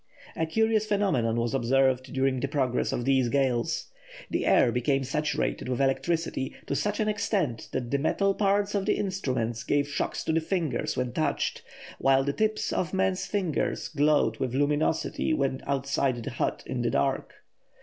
A curious phenomenon was observed during the progress of these gales. The air became saturated with electricity to such an extent that the metal parts of the instruments gave shocks to the fingers when touched, while the tips of a man's fingers glowed with luminosity when outside the hut in the dark.